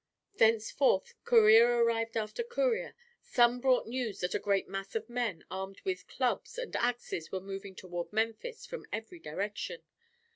Thenceforth courier arrived after courier. Some brought news that a great mass of men armed with clubs and axes were moving toward Memphis from every direction.